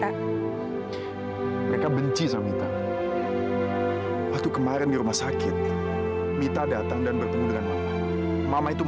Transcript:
akhirnya keluarga ini mau menerima vino